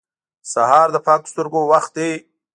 سهار د پاکو سترګو وخت دی.